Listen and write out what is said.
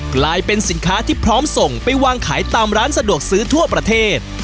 กลายเป็นสินค้าที่พร้อมส่งไปวางขายตามร้านสะดวกซื้อทั่วประเทศ